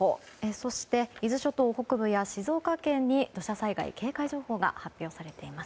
そして、伊豆諸島北部や静岡県に土砂災害警戒情報が発表されています。